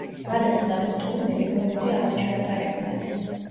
გადაწყდა, რომ ტურნირი ბოლომდე აღარ ჩაეტარებინათ.